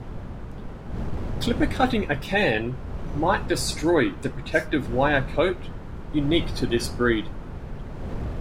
Clipper-cutting a Cairn might destroy the protective wire coat unique to this breed.